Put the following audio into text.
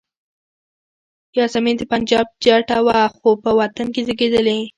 یاسمین د پنجاب جټه وه خو په وطن کې زیږېدلې.